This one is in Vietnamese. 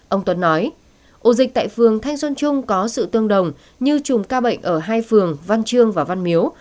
ông tuấn nói ổ dịch tại phường thanh xuân trung có sự tương đồng như chùm ca bệnh ở hai phường văn chương và văn miếu